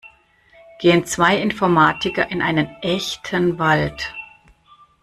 Gehen zwei Informatiker in einen echten Wald.